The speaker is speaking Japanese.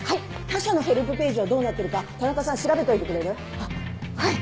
他社のヘルプページはどうなってるか田中さん調べておいてくれる？ははい。